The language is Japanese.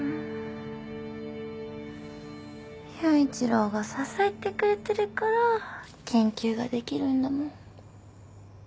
裕一郎が支えてくれてるから研究ができるんだもん。